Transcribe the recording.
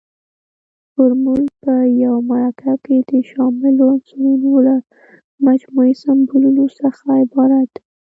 فورمول په یو مرکب کې د شاملو عنصرونو له مجموعي سمبولونو څخه عبارت دی.